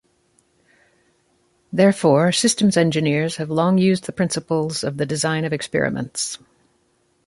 Therefore, systems engineers have long used the principles of the design of experiments.